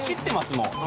もう。